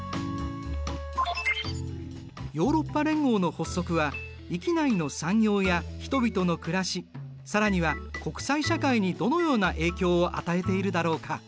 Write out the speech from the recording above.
ヨーロッパ連合の発足は域内の産業や人々の暮らし更には国際社会にどのような影響を与えているだろうか。